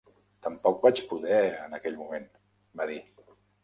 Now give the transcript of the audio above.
"Tampoc vaig poder... en aquell moment", va dir.